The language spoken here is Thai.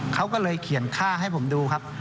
เขาก็เลยเขียนค่าให้ผมดูครับ